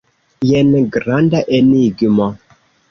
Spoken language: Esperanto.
Jen granda enigmo!